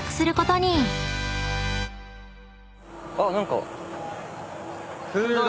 あっ何か。